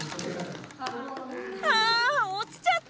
あ落ちちゃった！